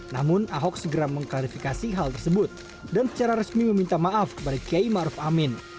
namun ahok segera mengklarifikasi hal tersebut dan secara resmi meminta maaf kepada kiai maruf amin